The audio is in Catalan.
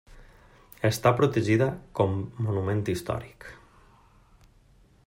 Està protegida com monument històric.